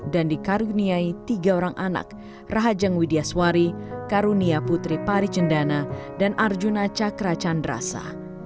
dan dikaruniai tiga orang anak rahajang widyaswari karunia putri pari jendana dan arjuna cakra chandrasa